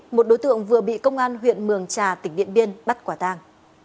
một đối tượng vừa bị công an huyện mường trà tỉnh điện biên bắt quả tang